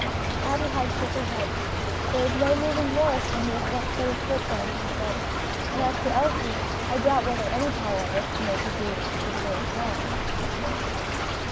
Adelaide shook her head. "There is no moving Horace when he has once set his foot down," she said; "and as to Elsie, I doubt whether any power on earth can make her do what she considers wrong."